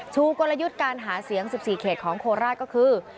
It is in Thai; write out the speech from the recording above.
กลยุทธ์การหาเสียง๑๔เขตของโคราชก็คือ